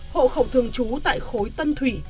hộ khẩu thường trú tại khối tân thủy